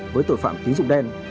với tội phạm tín dụng đen